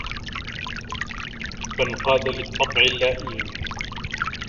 فَانْقَادَ لِلطَّبْعِ اللَّئِيمِ